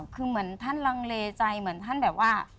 คือเหมือนท่านลังเลใจเหมือนท่านแบบว่า